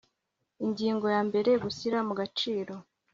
Ingingo ya mbere Gushyira mu gaciro